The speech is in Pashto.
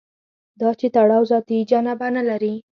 دا چې تړاو ذاتي جنبه نه لري.